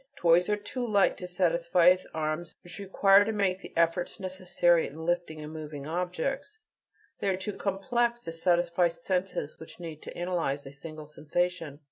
Toys are too light to satisfy arms which require to make the efforts necessary in lifting and moving objects; they are too complex to satisfy senses which need to analyze a single sensation.